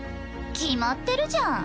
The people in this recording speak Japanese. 決まってるじゃん。